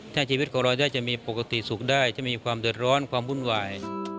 ถ้าชีวิตของเราได้จะมีปกติสุขได้จะมีความเดือดร้อนความวุ่นวาย